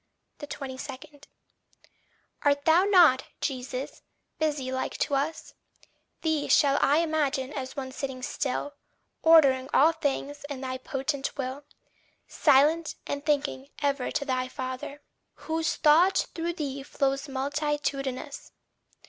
22. Art thou not, Jesus, busy like to us? Thee shall I image as one sitting still, Ordering all things in thy potent will, Silent, and thinking ever to thy father, Whose thought through thee flows multitudinous?